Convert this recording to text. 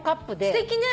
すてきね。